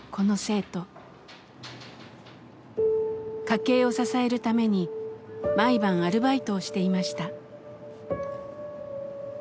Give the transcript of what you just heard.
家計を支えるために毎晩アルバイトをしていました。